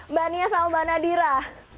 mbak nia sama mbak nadira